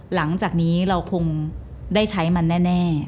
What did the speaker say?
หลังจากนี้เราคงได้ใช้มันแน่